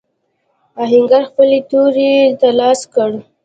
آهنګر خپلې تورې ته لاس کړ.